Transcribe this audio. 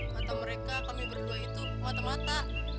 kata mereka kami berdua itu mata mata